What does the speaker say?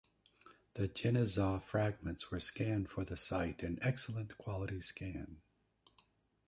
The genizah fragments were scanned for the site in excellent quality scan.